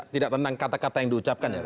tidak tentang kata kata yang diucapkan ya